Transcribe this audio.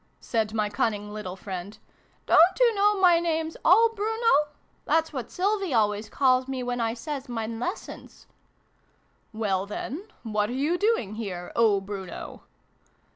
said my cunning little friend. " Don't oo know my name's ' Oh Bruno !'? That's what Sylvie always calls me, when I says mine lessons." " Well then, what are you doing here, oh Bruno?"